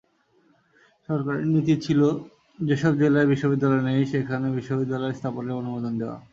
সরকারের নীতি ছিল, যেসব জেলায় বিশ্ববিদ্যালয় নেই, সেখানে বিশ্ববিদ্যালয় স্থাপনের অনুমোদন দেওয়া।